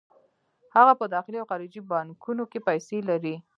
هغه په داخلي او خارجي بانکونو کې پیسې لري